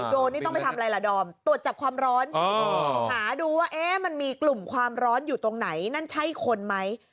โดนนี่ต้องไปทำอะไรล่ะดอมตรวจจับความร้อนสิหาดูว่ามันมีกลุ่มความร้อนอยู่ตรงไหนนั่นใช่คนไหม